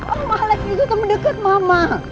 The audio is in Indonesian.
om alex itu temen deket mama